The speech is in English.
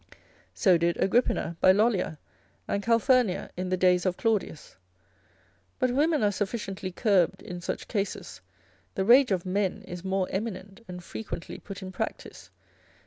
So did Agrippina by Lollia, and Calphurnia in the days of Claudius. But women are sufficiently curbed in such cases, the rage of men is more eminent, and frequently put in practice.